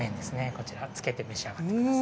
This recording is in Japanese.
こちらをつけて召し上がってください。